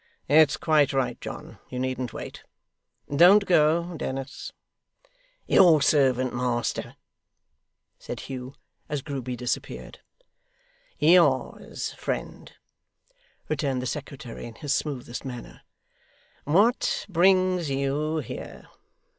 It's quite right, John, you needn't wait. Don't go, Dennis.' 'Your servant, master,' said Hugh, as Grueby disappeared. 'Yours, friend,' returned the secretary in his smoothest manner. 'What brings YOU here?